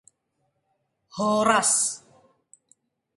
anak kecil itu duduk menyempil di antara kedua orang tuanya